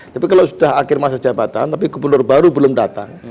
tapi kalau sudah akhir masa jabatan tapi gubernur baru belum datang